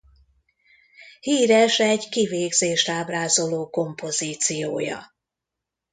Híres egy kivégzést ábrázoló kompozíciója.